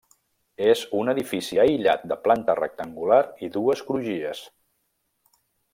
És un edifici aïllat de planta rectangular i dues crugies.